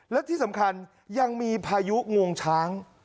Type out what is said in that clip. และที่สำคัญยังมีพายุงวงช้าง